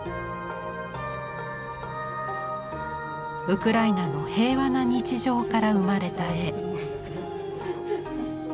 ウクライナの平和な日常から生まれた絵。